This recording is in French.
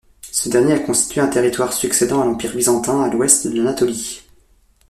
Ce dernier a constitué un territoire succédant à l'empire byzantin à l'ouest de l'Anatolie.